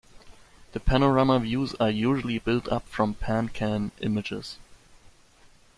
The panorama views are usually built up from PanCam images.